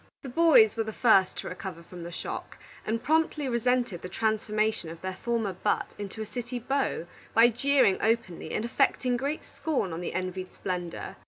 The boys were the first to recover from the shock, and promptly resented the transformation of their former butt into a city beau, by jeering openly and affecting great scorn of the envied splendor.